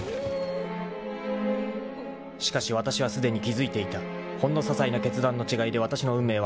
［しかしわたしはすでに気付いていたほんのささいな決断の違いでわたしの運命は変わる］